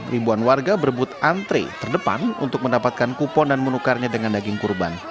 ribuan warga berebut antre terdepan untuk mendapatkan kupon dan menukarnya dengan daging kurban